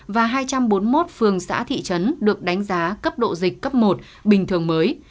và hai trăm bốn mươi một phường xã thị trấn được đánh giá cấp độ dịch cấp một bình thường mới